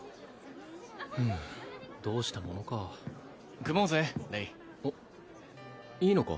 ふむどうしたものか組もうぜレイいいのか？